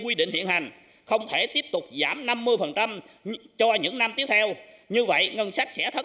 quy định hiện hành không thể tiếp tục giảm năm mươi cho những năm tiếp theo như vậy ngân sách sẽ thất